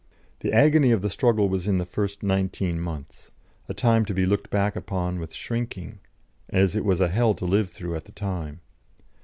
The agony of the struggle was in the first nineteen months a time to be looked back upon with shrinking, as it was a hell to live through at the time.